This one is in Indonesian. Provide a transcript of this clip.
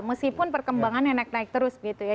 meskipun perkembangan yang naik naik terus gitu ya